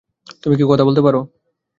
তুমি কথা বলতে পারো!